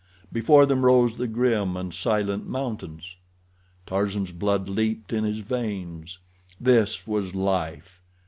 Before them rose the grim and silent mountains. Tarzan's blood leaped in his veins. This was life!